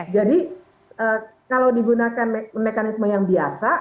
jadi kalau digunakan mekanisme yang biasa